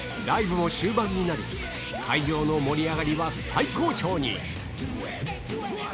ライブも終盤になり会場の盛り上がりは最高潮に！